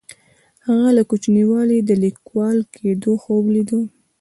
هغه له کوچنیوالي د لیکوال کیدو خوب لیده.